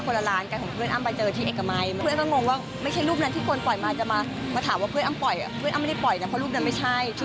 คนละร้านกันของเพื่อนอ้ำมาเจอที่เอกไม้